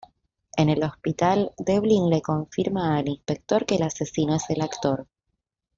En el hospital, Devlin le confirma al inspector que el asesino es el actor.